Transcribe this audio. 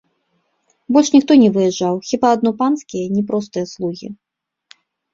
Больш ніхто не выязджаў, хіба адно панскія, не простыя, слугі.